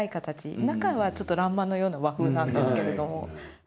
中は欄間のような和風なんですけれども。